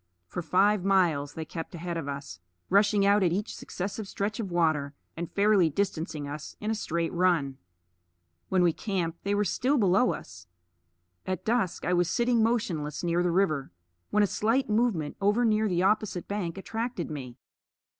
For five miles they kept ahead of us, rushing out at each successive stretch of water, and fairly distancing us in a straight run. When we camped they were still below us. At dusk I was sitting motionless near the river when a slight movement over near the opposite bank attracted me.